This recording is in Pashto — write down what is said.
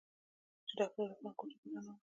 چې ډاکتر عرفان کوټې ته راننوت.